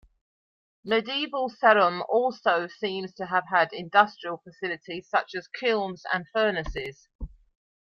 Medieval Sarum also seems to have had industrial facilities such as kilns and furnaces.